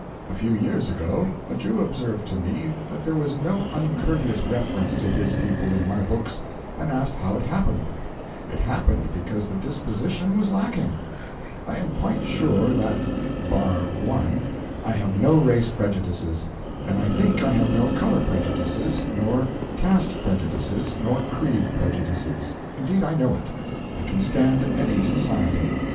A few years ago a Jew observed to me that there was no uncourteous reference to his people in my books, and asked how it happened. It happened because the disposition was lacking. I am quite sure that (bar one) I have no race prejudices, and I think I have no colour prejudices nor caste prejudices nor creed prejudices. Indeed, I know it. I can stand any society.